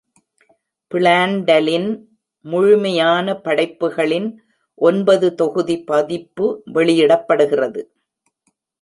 பிளாண்டலின் முழுமையான படைப்புகளின் ஒன்பது தொகுதி பதிப்பு வெளியிடப்படுகிறது.